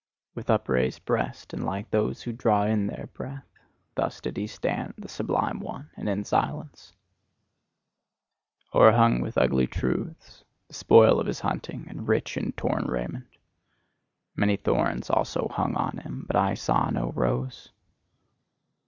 With upraised breast, and like those who draw in their breath: thus did he stand, the sublime one, and in silence: O'erhung with ugly truths, the spoil of his hunting, and rich in torn raiment; many thorns also hung on him but I saw no rose.